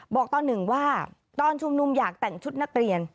ตอนหนึ่งว่าตอนชุมนุมอยากแต่งชุดนักเรียน